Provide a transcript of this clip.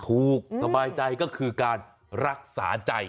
สบายใจก็คือการรักษาใจ